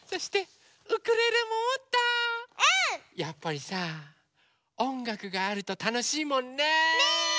やっぱりさおんがくがあるとたのしいもんね。ね！